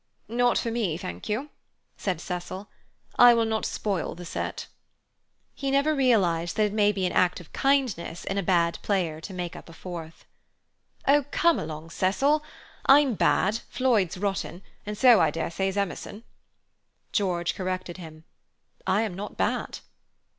"Not for me, thank you," said Cecil. "I will not spoil the set." He never realized that it may be an act of kindness in a bad player to make up a fourth. "Oh, come along Cecil. I'm bad, Floyd's rotten, and so I dare say's Emerson." George corrected him: "I am not bad."